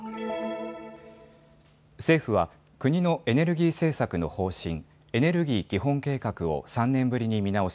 政府は国のエネルギー政策の方針エネルギー基本計画を３年ぶりに見直し